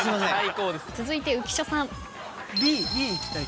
続いて浮所さん。